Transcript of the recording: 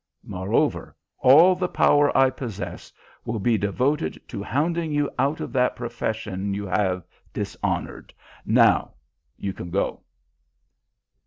Moreover, all the power I possess will be devoted to hounding you out of that profession you have dishonoured. Now you can go."